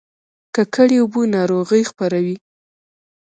ککړې اوبه ناروغي خپروي